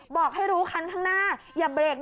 บอกให้รู้คันข้างหน้าอย่าเบรกนะ